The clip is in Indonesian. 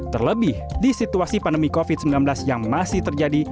terlebih di situasi pandemi covid sembilan belas yang masih terjadi